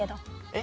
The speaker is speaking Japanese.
え？